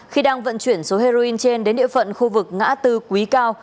khi đang vận chuyển số heroin trên đến địa phận khu vực ngã tư quý cao